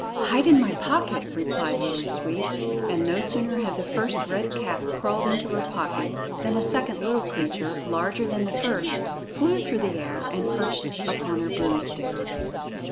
"Hide in my pocket," replied Little Sweep, and no sooner had the first Red Cap crawled into her pocket than a second little creature, larger than the first, flew through the air and perched upon her broomstick.